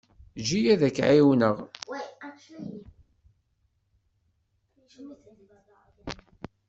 Eǧǧ-iyi ad k-ɛiwneɣ.